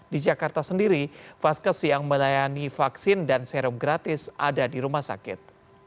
di jakarta sendiri vaskes yang melayani vaksin dan serem gratis ada di rumah sakit